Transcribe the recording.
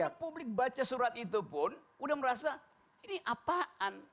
karena publik baca surat itu pun udah merasa ini apaan